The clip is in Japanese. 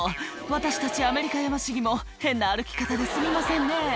私たちアメリカヤマシギも変な歩き方ですみませんね